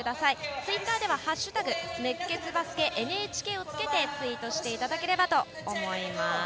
ツイッターでは「＃熱血バスケＮＨＫ」をつけてツイートしてください。